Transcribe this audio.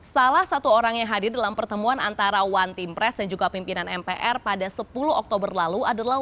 salah satu orang yang hadir dalam pertemuan antara one team press dan juga pimpinan mpr pada sepuluh oktober lalu adalah